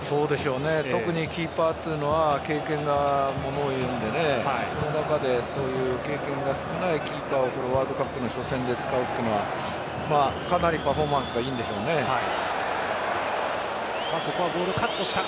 特にキーパーというのは経験がものを言うのでその中で経験が少ないキーパーをワールドカップの初戦で使うというのはかなりパフォーマンスがここはボールをカットした。